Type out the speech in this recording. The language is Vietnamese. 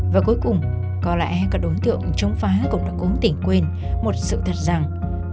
và cuối cùng có lẽ các đối tượng chống phá cũng đã cố tỉnh quên một sự thật rằng